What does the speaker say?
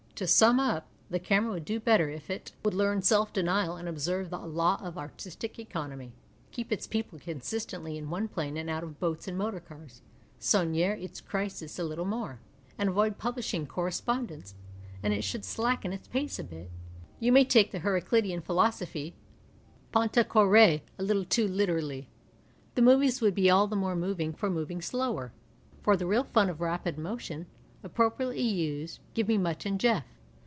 To simi up. The camera would do Ixltcr if it p.p. 22.") PASTICHE AND PREJUDICE would learn self denial and observe the law of artistic economy, keep its people consistently in one plane and out of boats and motor cars, soigner its crises a little more, and avoid publishing correspon dence. And it should slacken its pace a bit. You may take the Heraclitean philosophy — Traiaa x^P" — a little too literally. The movies would be all the more moving for moving slower. For the real fun of rapid motion, appropriately used, give me Mutt and Jeff.